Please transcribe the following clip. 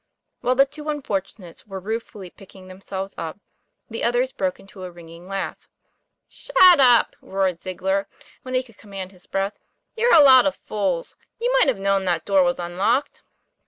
While the two unfortunates were ruefully picking themselves up, the others broke into a ringing laugh. ;< Shut up!" roared Ziegler, when he could com mand his breath. "You're a lot of fools! You might have known that door was unlocked."